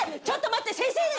ちょっと待って先生！